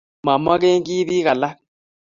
momekenkiy biik alak